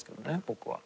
僕は。